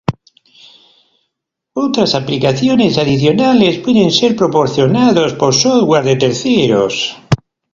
Otras Aplicaciones adicionales pueden ser proporcionados por software de terceros.